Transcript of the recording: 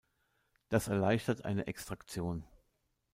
Das erleichtert eine Extraktion.